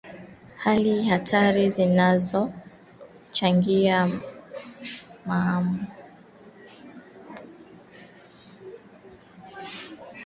Hali hatari zinazochangia maambukizi